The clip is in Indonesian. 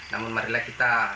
namun marilah kita